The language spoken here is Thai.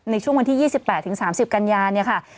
ในช่วงวันที่๒๘๓๐กันยาเนี่ยค่ะ